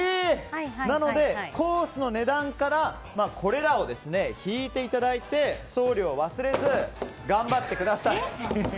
なので、コースの値段からこれらを引いていただいて送料を忘れず頑張ってください。